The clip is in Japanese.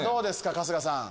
春日さん。